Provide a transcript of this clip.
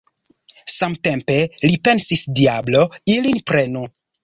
Samtempe li pensis: Diablo ilin prenu!